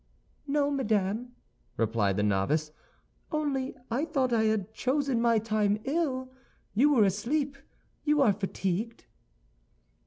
"No, madame," replied the novice, "only I thought I had chosen my time ill; you were asleep, you are fatigued."